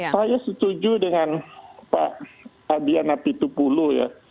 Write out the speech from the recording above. saya setuju dengan pak adian apitupulo ya